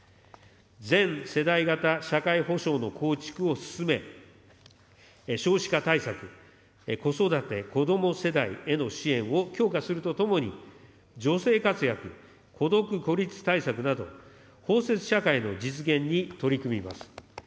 全世代型社会保障の構築を進め、少子化対策、子育て・こども世代への支援を強化するとともに、女性活躍、孤独・孤立対策など、包摂社会の実現に取り組みます。